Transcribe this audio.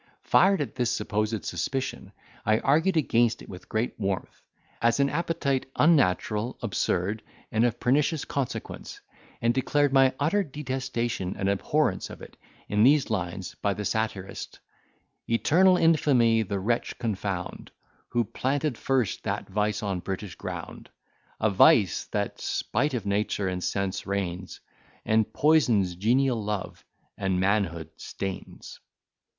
Fired at this supposed suspicion, I argued against it with great warmth, as an appetite unnatural, absurd, and of pernicious consequence; and declared my utter detestation and abhorrence of it in these lines of the satirist:— Eternal infamy the wretch confound Who planted first that vice on British ground! A vice! That spite of nature and sense reigns, And poisons genial love, and manhood stains.